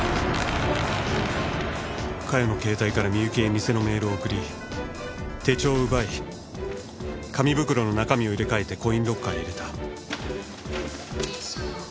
加代の携帯から美由紀へ偽のメールを送り手帳を奪い紙袋の中身を入れ替えてコインロッカーに入れた。